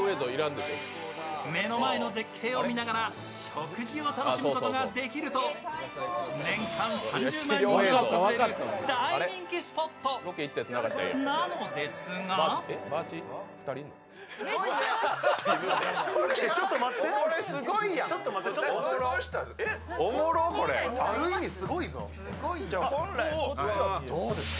目の前の絶景を見ながら食事を楽しむことができると、年間３０万人が訪れる大人気スポットなのですが私はお客様と保険以外の話もたくさんします